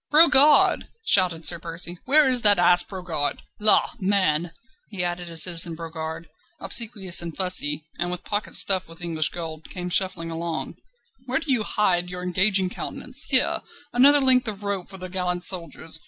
"Brogard!" shouted Sir Percy. "Where is that ass Brogard? La! man," he added as Citizen Brogard, obsequious and fussy, and with pockets stuffed with English gold, came shuffling along, "where do you hide your engaging countenance? Here! another length of rope for the gallant soldiers.